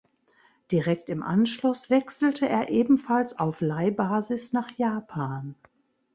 Direkt im Anschluss wechselte er ebenfalls auf Leihbasis nach Japan.